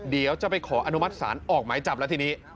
เดี๋ยวจะไปขออนุมัติศาลออกหมายจับแล้วทีนี้